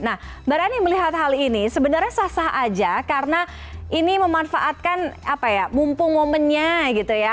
nah mbak rani melihat hal ini sebenarnya sah sah aja karena ini memanfaatkan apa ya mumpung momennya gitu ya